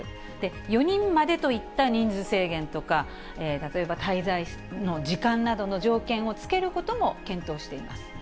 ４人までといった人数制限とか、例えば滞在の時間などの条件を付けることも検討しています。